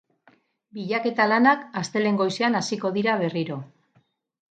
Bilaketa lanak astelehen goizean hasiko dira berriro.